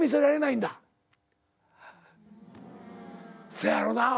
そやろな。